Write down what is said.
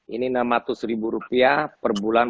ini enam ratus ribu rupiah perbulan